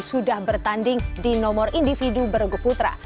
sudah bertanding di nomor individu bergeputra